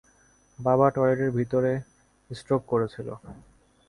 বাবা টয়লেটের ভিতরে স্ট্রোক করেছিল।